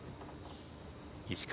石川